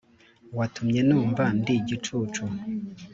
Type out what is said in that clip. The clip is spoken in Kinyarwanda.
watumye numva ndi igicucu.